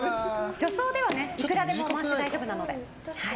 助走ではいくらでも回して大丈夫なので。